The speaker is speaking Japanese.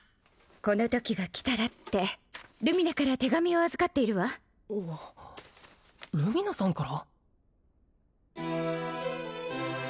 このときが来たらってルミナから手紙を預かっているわルミナさんから？